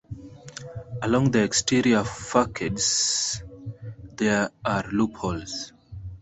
Along the exterior facades there are loopholes.